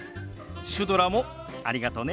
シュドラもありがとね。